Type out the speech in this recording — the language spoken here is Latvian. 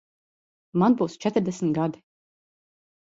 Man būs četrdesmit gadi.